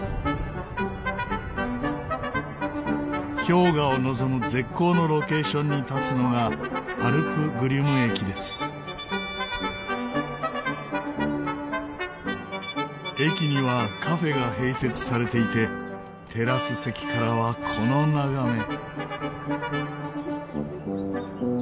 氷河を望む絶好のロケーションに立つのが駅にはカフェが併設されていてテラス席からはこの眺め。